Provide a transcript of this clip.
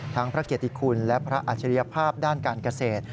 พระเกติคุณและพระอัจฉริยภาพด้านการเกษตร